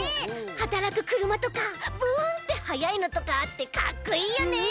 はたらくくるまとかブン！ってはやいのとかあってかっこいいよね。